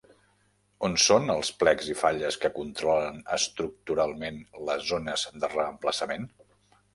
On són els plecs i falles que controlen estructuralment les zones de reemplaçament?